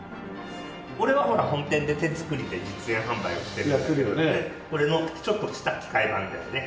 俺は本店で手作りで実演販売をしてるそれのちょっとした機械版だよね。